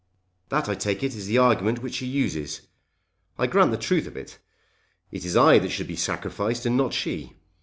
That I take it is the argument which she uses. I grant the truth of it. It is I that should be sacrificed and not she.